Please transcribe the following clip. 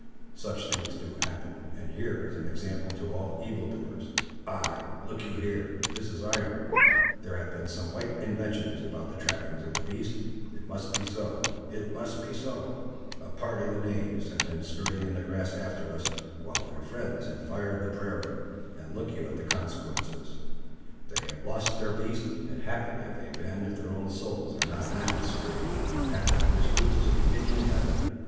Such things do happen; and here is an example to all evil doers. Ay, look you here, this is iron; there have been some white inventions about the trappings of the beast—it must be so—it must be so—a party of the knaves have been skirting in the grass after us, while their friends have fired the prairie, and look you at the consequences; they have lost their beasts, and happy have they been if their own souls are not now skirting along the path, which leads to the Indian heaven."